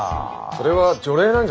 それは除霊なんじゃないか？